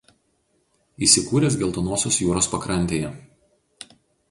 Įsikūręs Geltonosios jūros pakrantėje.